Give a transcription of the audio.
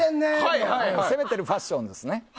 攻めてるファッションですね。